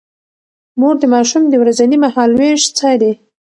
مور د ماشوم د ورځني مهالوېش څاري.